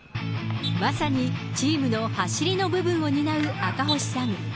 まさにチームの走りの部分を担う赤星さん。